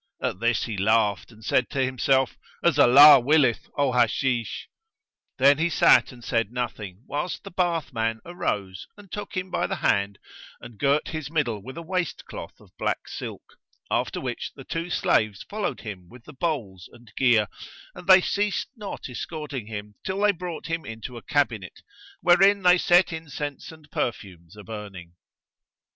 At this he laughed and said to himself, "As Allah willeth,[FN#109] O Hashish!" Then he sat and said nothing, whilst the bathman arose and took him by the hand and girt his middle with a waist cloth of black silk, after which the two slaves followed him with the bowls and gear, and they ceased not escorting him till they brought him into a cabinet, wherein they set incense and perfumes a burning.